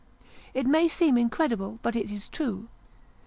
It may seem incredible, but it is true.